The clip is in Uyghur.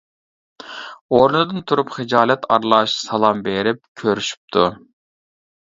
ئورنىدىن تۇرۇپ خىجالەت ئارىلاش سالام بېرىپ كۆرۈشۈپتۇ.